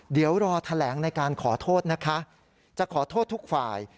เดี๋ยวรอแถลงในการขอโทษนะคะจะขอโทษทุกฝ่าย